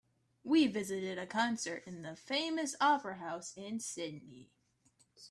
We visited a concert in the famous opera house in Sydney.